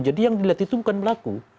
jadi yang dilihat itu bukan berlaku